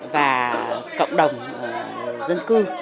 và cộng đồng dân cư